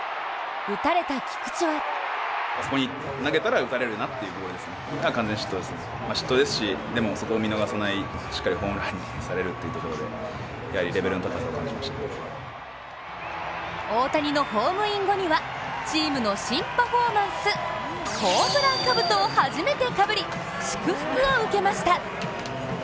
打たれた菊池は大谷のホームイン後にはチームの新パフォーマンスホームランかぶとを初めてかぶり祝福を受けました。